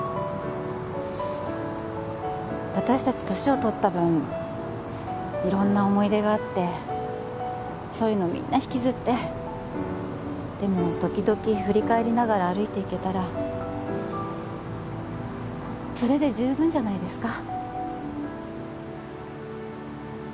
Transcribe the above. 私達年を取った分色んな思い出があってそういうのみんな引きずってでも時々振り返りながら歩いていけたらそれで十分じゃないですか？